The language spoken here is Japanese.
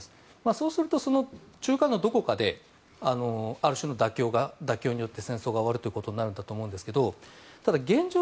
そうするとその中間のどこかである種の妥協が妥協によって戦争が終わるということになるんだと思うんですがただ、現状